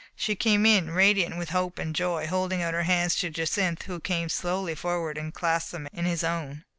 She came in, radiant with hope and joy, hold ing out her hands to Jacynth, who came slowly forward and clasped them in his own.